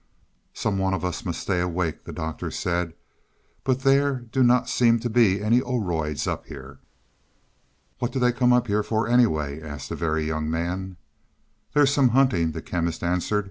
"Some one of us must stay awake," the Doctor said. "But there do not seem to be any Oroids up here." "What do they come up here for, anyway?" asked the Very Young Man. "There's some hunting," the Chemist answered.